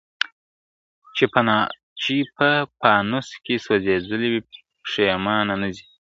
چي په پانوس کي سوځېدلي وي پښېمانه نه ځي ..